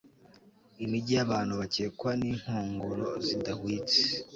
imijyi yabantu bakekwa ninkongoro zidahwitse